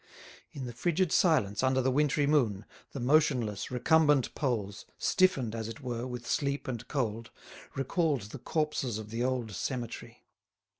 In the frigid silence under the wintry moon, the motionless, recumbent poles, stiffened, as it were, with sleep and cold, recalled the corpses of the old cemetery.